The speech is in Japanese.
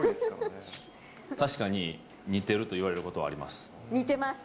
確かに、似てると言われるこ似てます！